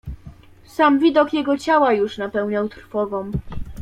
"Sam widok jego ciała już napełniał trwogą."